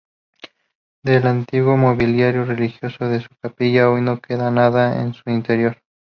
Del antiguo mobiliario religioso de la capilla hoy no queda nada en su interior.